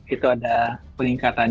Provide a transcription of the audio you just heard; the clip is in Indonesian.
itu ada peningkatan